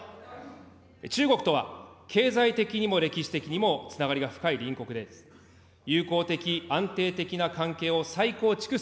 中国とは、経済的にも歴史的にもつながりが深い隣国です。